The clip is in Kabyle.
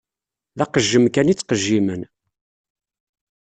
D aqejjem kan i ttqejjimen.